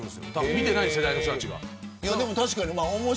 見てない世代の人たちが。